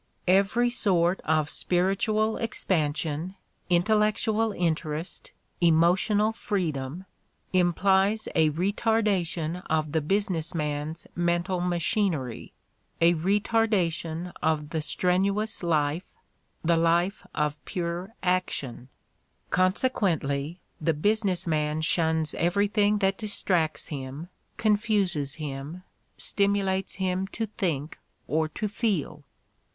Every sort of spiritual expansion, intellec tual interest, emotional freedom implies a retardation of the business man's mental machinery, a retardation of the "strenuous life," the life of pure action: conse quently, the business man shuns everything that dis tracts him, confuses him, stimulates him to think or to feel.